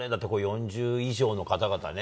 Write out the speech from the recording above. ４０以上の方々ね。